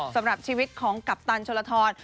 สำหรับชีวิตของกัปตันชนลทร